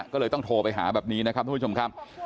ก็เลยต้องโทรไปหาแบบนี้นะครับทุกผู้ชมครับ